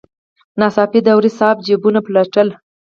ناڅاپه داوري صاحب جیبونه پلټل.